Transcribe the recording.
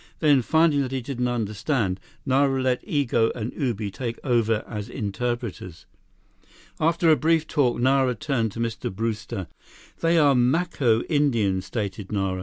Then, finding that he didn't understand, Nara let Igo and Ubi take over as interpreters. After a brief talk, Nara turned to Mr. Brewster. "They are Maco Indians," stated Nara.